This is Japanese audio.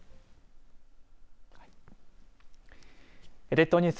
列島ニュース